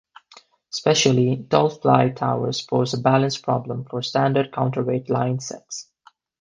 Especially tall fly towers pose a balance problem for standard counterweight line sets.